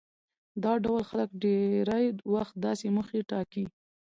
دا ډول خلک ډېری وخت داسې موخې ټاکي.